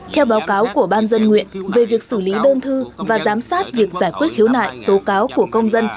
theo báo cáo của ban dân nguyện về việc xử lý đơn thư và giám sát việc giải quyết khiếu nại tố cáo của công dân